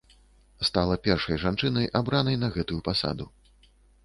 Стала першай жанчынай, абранай на гэтую пасаду.